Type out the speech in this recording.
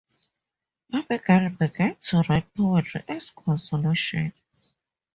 Abigail began to write poetry as consolation.